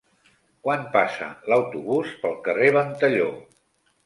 Quan passa l'autobús pel carrer Ventalló?